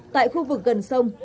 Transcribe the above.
tại khu vực gần sông